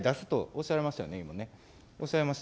おっしゃられましたよね。